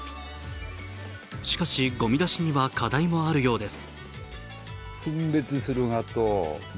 しかし、ごみ出しには課題もあるようです。